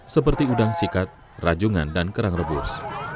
seperti udang sikat rajungan dan kerang rebus